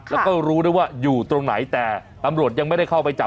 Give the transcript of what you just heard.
แล้วก็รู้ด้วยว่าอยู่ตรงไหนแต่ตำรวจยังไม่ได้เข้าไปจับ